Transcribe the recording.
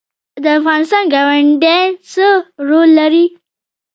د افغانستان ګاونډیان څه رول لري؟